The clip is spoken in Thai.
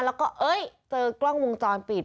แล้วก็เจอกล้องวงจรปิด